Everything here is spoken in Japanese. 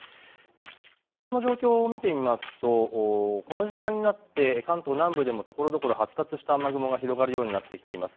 今、雨雲の状況を見てみますとこの時間になって関東南部でもところどころ発達した雨雲が広がるようになってきています。